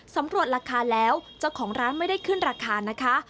สำรวจราคาแล้วเจ้าของร้านไม่ได้ขึ้นราคานะคะ